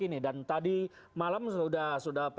ini dan tadi malam sudah